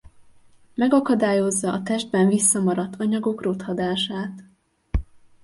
Megakadályozza a testben visszamaradt anyagok rothadását.